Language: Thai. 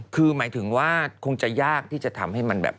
คือหมายถึงว่าคงจะยากที่จะทำให้มันแบบ